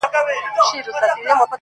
زما خبري خدايه بيرته راکه .